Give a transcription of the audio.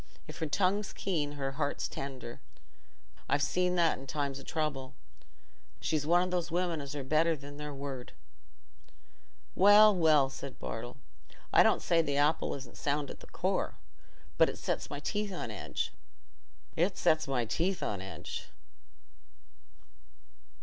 If her tongue's keen, her heart's tender: I've seen that in times o' trouble. She's one o' those women as are better than their word." "Well, well," said Bartle, "I don't say th' apple isn't sound at the core; but it sets my teeth on edge—it sets my teeth on edge."